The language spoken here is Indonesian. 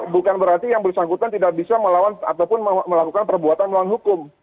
bukan berarti yang bersangkutan tidak bisa melawan ataupun melakukan perbuatan melawan hukum